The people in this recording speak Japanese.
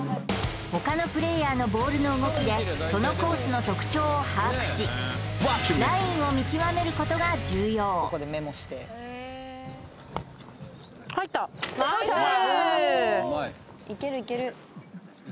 他のプレーヤーのボールの動きでそのコースの特徴を把握しラインを見極めることが重要入ったナイスゴー！